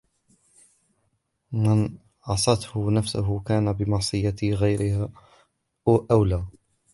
وَمَنْ عَصَتْهُ نَفْسُهُ كَانَ بِمَعْصِيَةِ غَيْرِهَا أَوْلَى